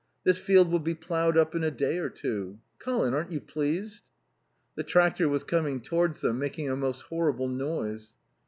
This field will be ploughed up in a day or two. Colin, aren't you pleased?" The tractor was coming towards them, making a most horrible noise.